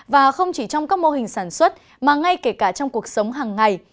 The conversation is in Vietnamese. và không chỉ trong các mô hình sản xuất mà ngay kể cả trong cuộc sống hàng ngày